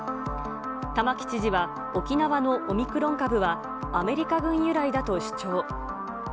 玉城知事は沖縄のオミクロン株はアメリカ軍由来だと主張。